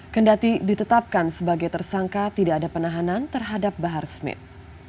kendati ditetapkan sebagai tersangka tidak ada penahanan terhadap bahar smith